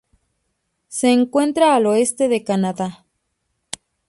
Se encuentra al oeste del Canadá.